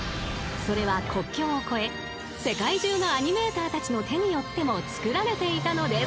［それは国境を越え世界中のアニメーターたちの手によっても作られていたのです］